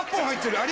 あれ？